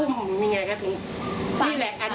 แม่ชีค่ะ